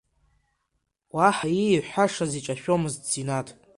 Уаҳа ииҳәашаз иҿашәомызт Синаҭ.